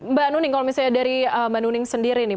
mbak nuning kalau misalnya dari mbak nuning sendiri nih